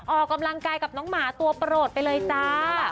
ออกกำลังกายกับน้องหมาตัวโปรดไปเลยจ้า